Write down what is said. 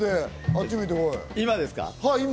今ですか？